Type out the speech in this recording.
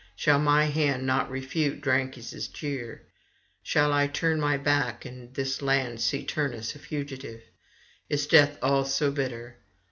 Shall my hand not refute Drances' jeers? shall I turn my back, and this land see Turnus a fugitive? Is Death all so bitter?